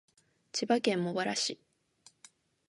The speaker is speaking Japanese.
千葉県茂原市